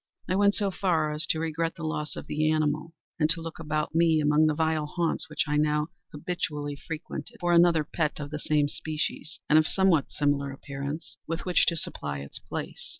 I went so far as to regret the loss of the animal, and to look about me, among the vile haunts which I now habitually frequented, for another pet of the same species, and of somewhat similar appearance, with which to supply its place.